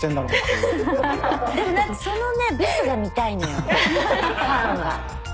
でも何かそのねブスが見たいのよファンは。